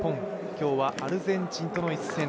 今日はアルゼンチンとの一戦。